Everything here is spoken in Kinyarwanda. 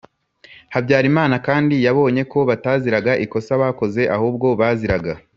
Habyarimana kandi yabonye ko bataziraga ikosa bakoze ahubwo baziraga